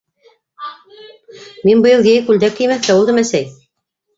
- Мин быйыл йәй күлдәк кеймәҫкә булдым, әсәй.